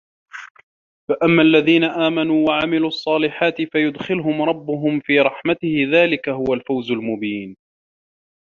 فَأَمَّا الَّذينَ آمَنوا وَعَمِلُوا الصّالِحاتِ فَيُدخِلُهُم رَبُّهُم في رَحمَتِهِ ذلِكَ هُوَ الفَوزُ المُبينُ